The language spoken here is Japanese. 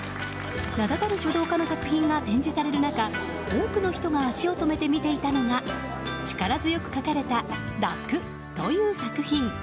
名だたる書道家の作品が展示される中多くの人が足を止めて見ていたのが力強く書かれた「楽」という作品。